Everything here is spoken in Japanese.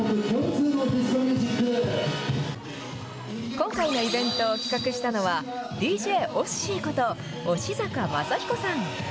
今回のイベントを企画したのは、ＤＪオッシーこと、押阪雅彦さん。